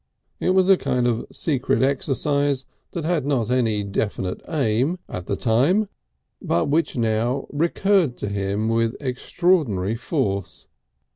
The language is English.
It was a kind of secret exercise that had not had any definite aim at the time, but which now recurred to him with extraordinary force.